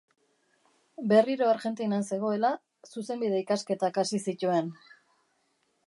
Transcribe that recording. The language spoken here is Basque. Berriro Argentinan zegoela, zuzenbide ikasketak hasi zituen.